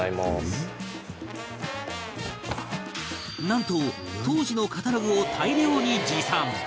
なんと当時のカタログを大量に持参！